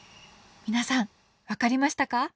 皆さん分かりましたか？